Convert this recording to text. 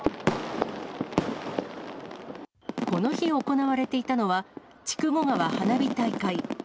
この日、行われていたのは筑後川花火大会。